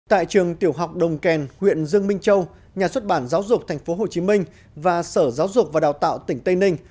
tại trường tiểu học đồng kèn huyện dương minh châu nhà xuất bản giáo dục tp hcm và sở giáo dục và đào tạo tỉnh tây ninh